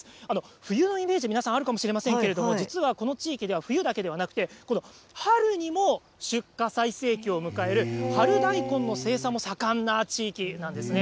冬のイメージ、皆さんあるかもしれませんけれども、実はこの地域では冬だけではなくて、春にも出荷最盛期を迎える春大根の生産も盛んな地域なんですね。